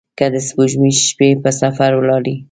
که د سپوږمۍ شپې په سفر ولاړي